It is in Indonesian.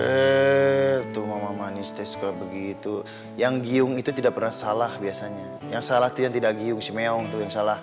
heee tuh mama manis teh suka begitu yang giung itu tidak pernah salah biasanya yang salah itu yang tidak giung si meong tuh yang salah